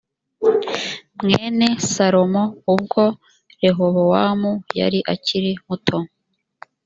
mwene salomo ubwo rehobowamu yari akiri muto